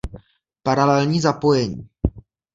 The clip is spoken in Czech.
Paralelní zapojení